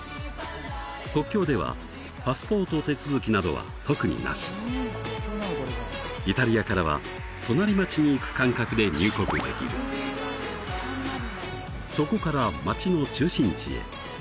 国境ではパスポート手続きなどは特になしイタリアからは隣町に行く感覚で入国できるそこから町の中心地へ